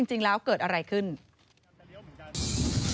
นี่เป็นคลิปวีดีโอจากคุณบอดี้บอยสว่างอร่อย